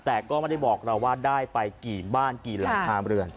แต่ก็ไม่ได้บอกเราว่าได้ไปกี่บ้านกี่หลังคาเรือน